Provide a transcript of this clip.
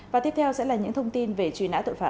và tiếp theo sẽ là những thông tin về truy nã tội phạm